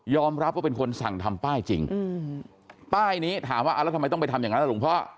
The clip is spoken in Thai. รับว่าเป็นคนสั่งทำป้ายจริงป้ายนี้ถามว่าเอาแล้วทำไมต้องไปทำอย่างนั้นล่ะหลวงพ่อ